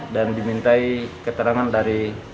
dan dimintai keterangan dari